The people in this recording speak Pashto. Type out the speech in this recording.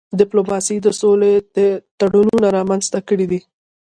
ډيپلوماسی د سولي تړونونه رامنځته کړي دي.